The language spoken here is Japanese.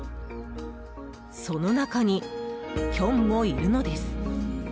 その中にキョンもいるのです。